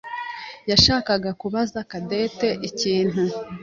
yashakaga kubaza Cadette ikintu.